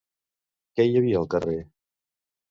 Què hi havia al carrer?